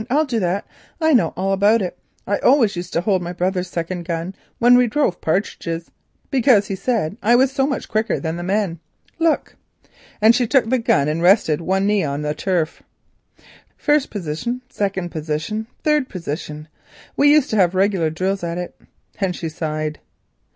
I'll do that, I know all about it. I often used to hold my brother's second gun when we drove partridges, because he said I was so much quicker than the men. Look," and she took the gun and rested one knee on the turf; "first position, second position, third position. We used to have regular drills at it," and she sighed.